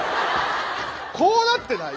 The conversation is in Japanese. こうなってない？